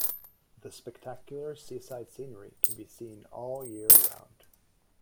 The spectacular seaside scenery can be seen all year round.